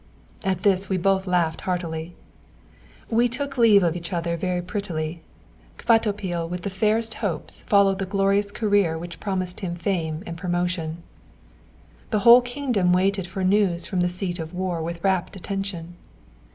At this we both laughed heartily. We took leave of each other very prettily. Kvatopil with the fairest hopes followed the glorious career which promised him fame and promotion. The whole kingdom waited for news from the seat of war with rapt attention.